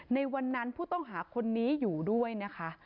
ในวันนั้นผู้ต้องหาคนนี้อยู่ด้วยนะคะ